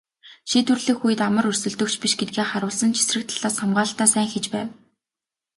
Шийдвэрлэх үед амар өрсөлдөгч биш гэдгээ харуулсан ч эсрэг талаас хамгаалалтаа сайн хийж байв.